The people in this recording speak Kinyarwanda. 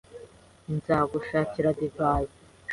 Nzadushakira divayi.